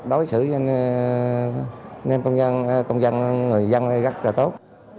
đối xử với anh em công dân người dân rất là tốt